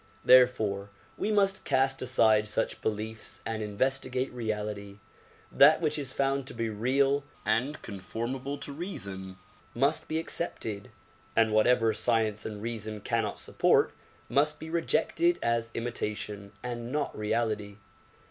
Therefore we must cast aside such beliefs and investigate reality. That which is found to be real and conformable to reason must be accepted, and whatever science and reason cannot support must be rejected as miitation and not reality.